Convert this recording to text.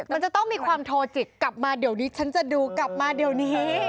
มันจะต้องมีความโทรจิกกลับมาเดี๋ยวนี้ฉันจะดูกลับมาเดี๋ยวนี้